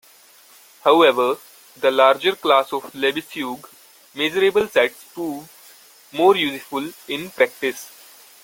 However, the larger class of Lebesgue measurable sets proves more useful in practice.